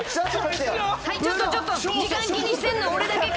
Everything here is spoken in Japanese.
ちょっとちょっと、時間気にしてるの俺だけか。